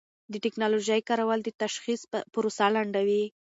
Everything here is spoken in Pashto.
د ټېکنالوژۍ کارول د تشخیص پروسه لنډوي.